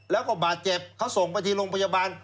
แล้วก็บาดเจ็บเขาส่งไปที่โรงพยาบาล